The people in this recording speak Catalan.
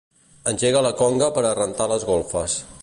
Engega la conga per a rentar les golfes.